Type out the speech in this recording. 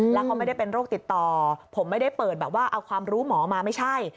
แล้วเขาไม่ได้เป็นโรคติดต่อผมไม่ได้เปิดแบบว่าเอาความรู้หมอมาไม่ใช่